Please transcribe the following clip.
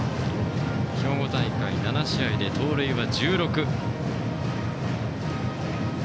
兵庫大会７試合で盗塁は１６。